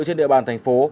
trên địa bàn thành phố